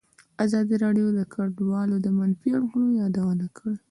ازادي راډیو د کډوال د منفي اړخونو یادونه کړې.